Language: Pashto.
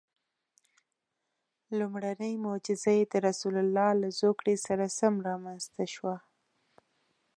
لومړنۍ معجزه یې د رسول الله له زوکړې سره سم رامنځته شوه.